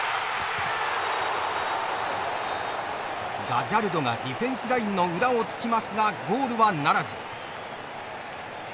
ガジャルドがディフェンスラインの裏をつきますがゴールはならず。